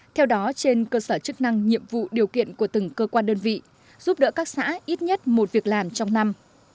theo đó trên cơ sở chức năng nhiệm vụ điều kiện của từng cơ quan đơn vị giúp đỡ các xã ít nhất một việc làm trong năm